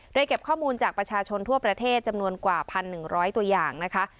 โดยเก็บข้อมูลจากประชาชนทั่วประเทศจำนวนกว่า๑๑๐๐ตัวอย่างนะคะ